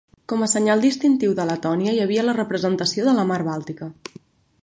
Com a senyal distintiu de Letònia hi havia la representació de la mar Bàltica.